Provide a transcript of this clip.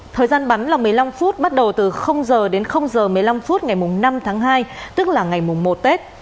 thời gian bắn là một mươi năm phút bắt đầu từ h đến h một mươi năm phút ngày năm tháng hai tức là ngày mùng một tết